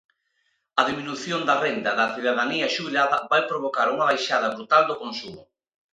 A diminución da renda da cidadanía xubilada vai provocar unha baixada brutal do consumo.